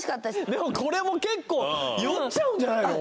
でもこれも結構酔っちゃうんじゃないの？